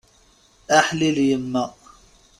Aḥlil yemma!